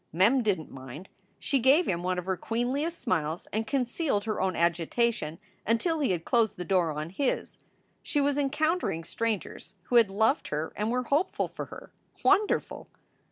Mem didn t mind. She gave him one of her queenliest smiles, and concealed her own agitation until he had closed the door on his. She was encountering strangers who had loved her and were hopeful for her! Wonderful!